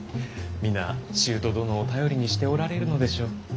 皆舅殿を頼りにしておられるのでしょう。